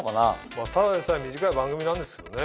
まぁただでさえ短い番組なんですけどね。